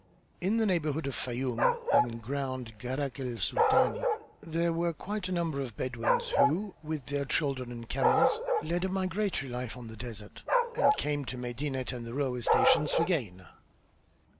In the neighborhood of Fayûm and ground Gharak el Sultani there were quite a number of Bedouins who with their children and camels led a migratory life on the desert and came to Medinet and the railway stations for gain.